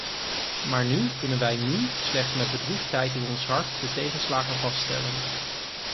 Maar nu kunnen wij nu slechts met droefheid in ons hart de tegenslagen vaststellen.